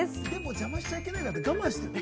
邪魔しちゃいけないから、我慢してるんだ。